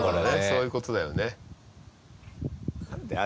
そういう事だよね。